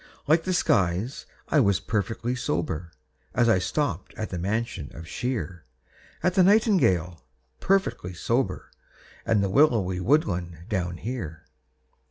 Like the skies, I was perfectly sober, As I stopped at the mansion of Shear, At the Nightingale, perfectly sober, And the willowy woodland down here.